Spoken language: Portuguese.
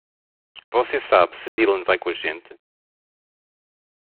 Você sabe se Dylan vai com a gente?